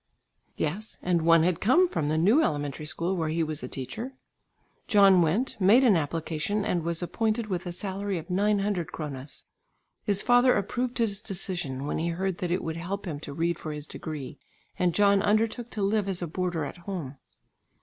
Yes, and one had come from the New Elementary School where he was a teacher. John went, made an application, and was appointed with a salary of 900 kronas. His father approved his decision when he heard that it would help him to read for his degree, and John undertook to live as a boarder at home.